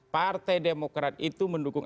partai demokrat itu mendukung